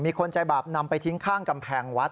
คนใจบาปนำไปทิ้งข้างกำแพงวัด